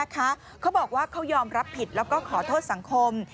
เขาบอกว่าเขายอมรับผิดแล้วก็ขอโทษสังคม